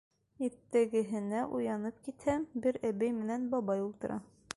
Иртәгеһенә уянып китһәм, бер әбей менән бабай ултыра.